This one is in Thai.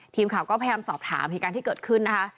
ทีมข่าวก็พยายามสอบถามเหตุการณ์ที่เกิดขึ้นนะคะ